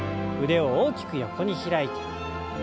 腕を大きく横に開いて。